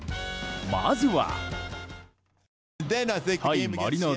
まずは。